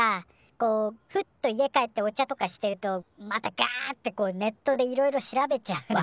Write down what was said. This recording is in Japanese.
こうふっと家帰ってお茶とかしてるとまたガってこうネットでいろいろ調べちゃうのよ。